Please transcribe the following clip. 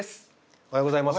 おはようございます。